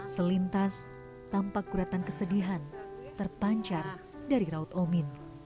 selintas tampak guratan kesedihan terpancar dari raut omin